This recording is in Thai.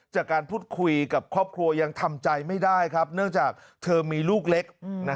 จาการพุดคุยกับครอบครัวยังทำใจไม่ได้จากเธอมีลูกเล็ก